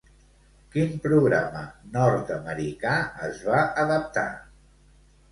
Quin programa nord-americà es va adaptar?